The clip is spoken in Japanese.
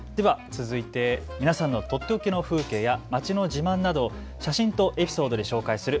続いて皆さんのとっておきの風景や街の自慢など、写真とエピソードで紹介する＃